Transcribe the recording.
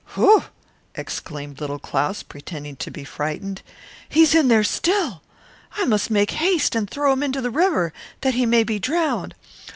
"Oh," exclaimed Little Claus, pretending to be frightened, "he is in there still, is he? I must throw him into the river, that he may be drowned."